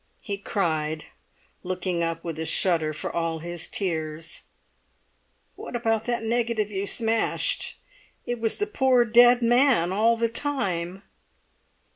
He cried, looking up with a shudder for all his tears, "What about that negative you smashed? It was the poor dead man all the time!"